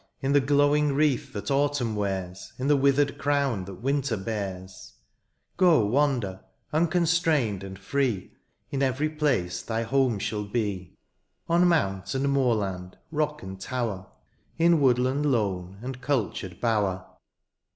In the glowing wreath that autumn wears. In the withered crown that winter bears: 60 wander, unconstrained and free. In every place thy home shall be ; On mount and moorland, rock and tower. In woodland lone, and cultured bower.